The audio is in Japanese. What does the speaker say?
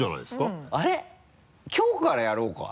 あれきょうからやろうか？